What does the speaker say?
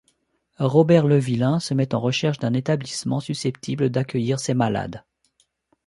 Robert Levillain, se met en recherche d'un établissement susceptible d'accueillir ses malades.